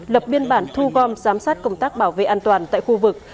lập biên bản thu gom giám sát công tác bảo vệ an toàn tại khu vực